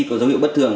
có dấu hiệu bất thường